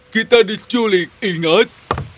kita diculik ingat